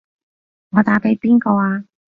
我打畀邊個啊？